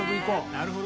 なるほど。